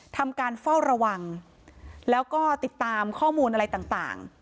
ทำการเฝ้าระวังแล้วก็ติดตามข้อมูลอะไรต่าง